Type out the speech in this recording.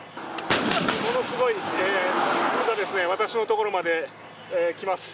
ものすごい爆風が私のところまで来ます。